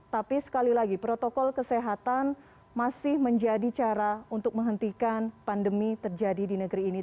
tapi sekali lagi protokol kesehatan masih menjadi cara untuk menghentikan pandemi terjadi di negeri ini